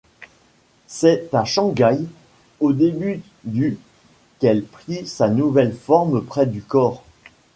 C'est à Shanghai au début du qu'elle prit sa nouvelle forme près du corps.